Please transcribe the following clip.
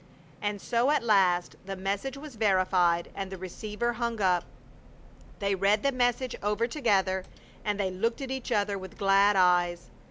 And so at last the message was verified and the receiver hung up. They read the message over together, and they looked at each another with glad eyes.